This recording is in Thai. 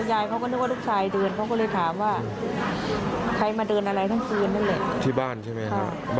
ที่บ้านใช่ไหมครับบ้านที่ไหนครับ